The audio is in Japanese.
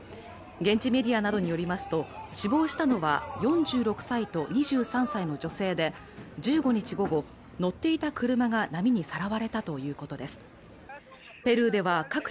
現地メディアなどによりますと死亡したのは４６歳と２３歳の女性で１５日午後乗っていた車が波にさらわれたということです